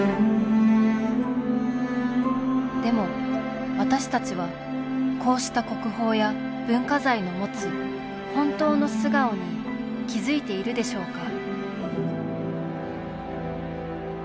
でも私たちはこうした国宝や文化財の持つ本当の素顔に気付いているでしょうか？